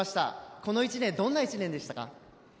この１年どんな１年でしたか？